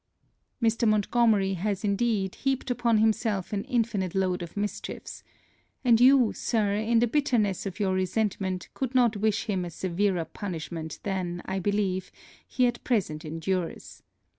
Mr. Montgomery has, indeed, heaped upon himself an infinite load of mischiefs; and you, Sir, in the bitterness of your resentment, could not wish him a severer punishment than, I believe, he at present endures.